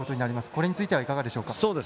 これについてはいかがでしょうか。